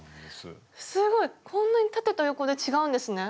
すごいこんなに縦と横で違うんですね。